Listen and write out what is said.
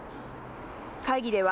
会議では、